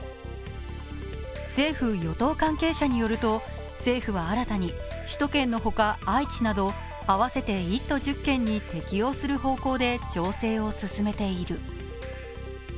政府・与党関係者によると政府は新たに首都圏のほか、愛知など合わせて１都１０県に適用する方向で調整を進めている。